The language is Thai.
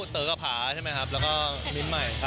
เต๋อกับผาใช่ไหมครับแล้วก็มิ้นใหม่ครับ